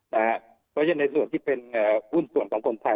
เพราะฉะนั้นในส่วนที่เป็นหุ้นส่วนของคนไทย